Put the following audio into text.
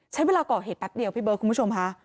ใช้เวลาก่อเหตุแป๊บเดียวพี่เบิร์ดคุณผู้ชมค่ะ